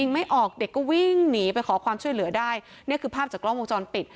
ไม่ออกเด็กก็วิ่งหนีไปขอความช่วยเหลือได้นี่คือภาพจากกล้องวงจรปิด